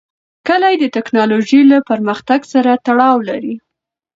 کلي د تکنالوژۍ له پرمختګ سره تړاو لري.